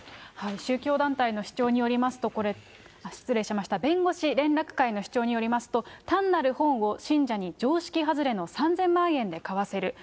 宗教団体の主張によりますと、これ、失礼しました、弁護士連絡会の主張によりますと、単なる本を、信者に常識外れの３０００万円で買わせる。